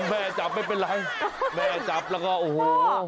แม่จับไม่เป็นไรแม่จับแล้วก็โอ้โห